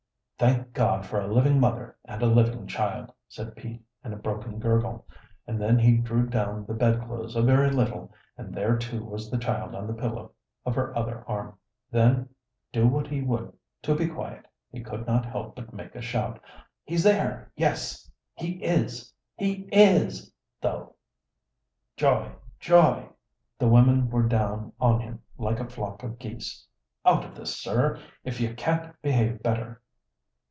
"Thank God for a living mother and a living child," said Pete in a broken gurgle, and then he drew down the bedclothes a very little, and there too was the child on the pillow of her other arm. Then, do what he would to be quiet, he could not help but make a shout. "He's there! Yes, he is! He is, though! Joy! Joy!" The women were down on him like a flock of geese. "Out of this, sir, if you can't behave better."